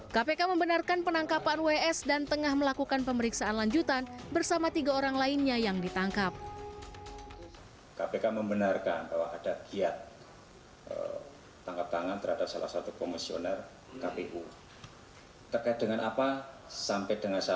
kpk membenarkan penangkapan ws dan tengah melakukan pemeriksaan lanjutan bersama tiga orang lainnya yang ditangkap